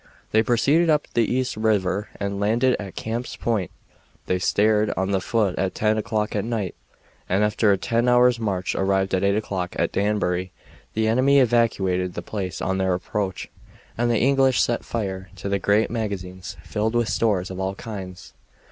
They proceeded up the East River and landed at Camp's Point. They started on foot at ten o'clock at night, and after a ten hours' march arrived at eight o'clock at Danbury. The enemy evacuated the place on their approach, and the English set fire to the great magazines filled with stores of all kinds.